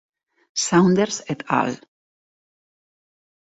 Saunders et al.